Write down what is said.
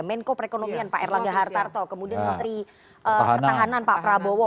menko perekonomian pak erlangga hartarto kemudian menteri pertahanan pak prabowo